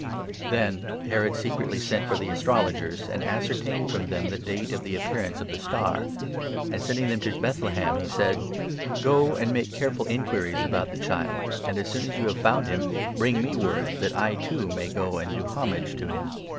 " Then Herod secretly sent for the Astrologers, and ascertained 7 from them the date of the appearance of the star ; and, sending 8 them to Bethlehem, he said :" Go and make careful inquiries about the child, and, as soon as you have found him, bring me word, that I, too, may go and do homage to him."